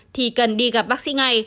thì cần đi gặp bác sĩ ngay